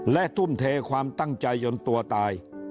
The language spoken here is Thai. และทุ่มเทความตั้งใจจนตัวตาย